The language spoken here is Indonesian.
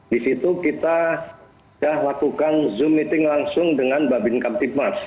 di situ kita sudah lakukan zoom meeting langsung dengan babin kamtipmas